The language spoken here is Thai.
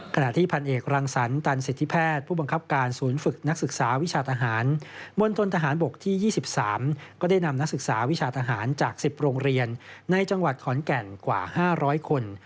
ขณะที่พันเอกรังสรรตันสิทธิแพทย์ผู้บังคับการศูนย์ฝึกนักศึกษาวิชาทหารมณฑนทหารบกที่๒๓ก็ได้นำนักศึกษาวิชาทหารจาก๑๐โรงเรียนในจังหวัดขอนแก่นกว่า๕๐๐คน